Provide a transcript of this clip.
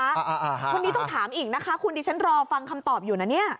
คุณนี้ต้องถามอีกคุณดิฉันรอฟังคำตอบอยู่น่ะ